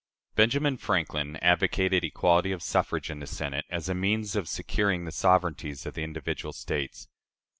Benjamin Franklin advocated equality of suffrage in the Senate as a means of securing "the sovereignties of the individual States."